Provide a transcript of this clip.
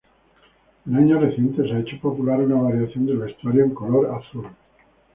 En años recientes, se ha hecho popular una variación del vestuario en color azul.